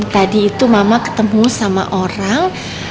tadi itu mama ketemu sama orang